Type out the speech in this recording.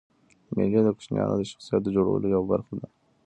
مېلې د کوچنيانو د شخصیت د جوړولو یوه برخه ده.